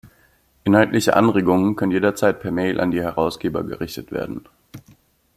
Inhaltliche Anregungen können jederzeit per Mail an die Herausgeber gerichtet werden.